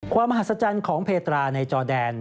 มหัศจรรย์ของเพตราในจอแดน